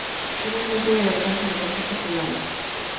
Finalmente ella lo alcanza y le confiesa que lo ama.